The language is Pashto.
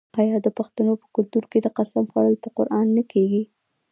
آیا د پښتنو په کلتور کې د قسم خوړل په قران نه کیږي؟